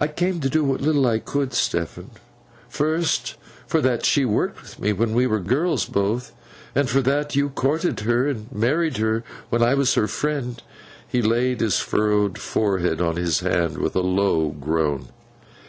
'I came to do what little I could, Stephen; first, for that she worked with me when we were girls both, and for that you courted her and married her when I was her friend—' He laid his furrowed forehead on his hand, with a low groan.